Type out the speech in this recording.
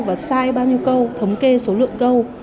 và sai bao nhiêu câu thống kê số lượng câu